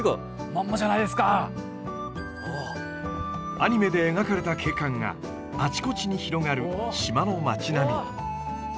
アニメで描かれた景観があちこちに広がる島の町並み。